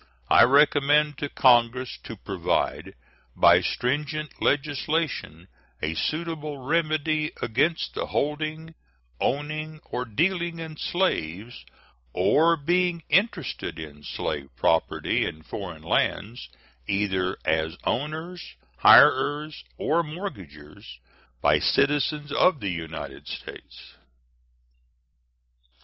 I recommend to Congress to provide by stringent legislation a suitable remedy against the holding, owning, or dealing in slaves, or being interested in slave property, in foreign lands, either as owners, hirers, or mortgagors, by citizens of the United States.